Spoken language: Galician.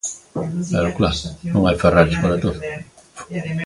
Pero claro, non hai Ferraris para todos.